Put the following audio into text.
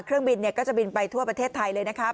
เครื่องบินก็จะบินไปทั่วประเทศไทยเลยนะครับ